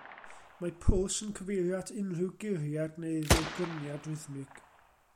Mae pwls yn cyfeirio at unrhyw guriad neu ddirgryniad rhythmig.